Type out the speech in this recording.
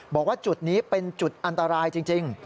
บอกว่าจุดนี้เป็นจุดอันตรายจริง